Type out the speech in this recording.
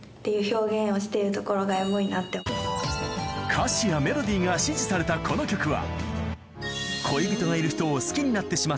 歌詞やメロディーが支持されたこの曲は